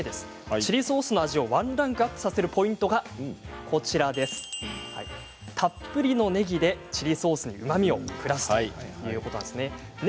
チリソースの味をワンランクアップさせるポイントがたっぷりのねぎでチリソースにうまみをプラスということなんですね。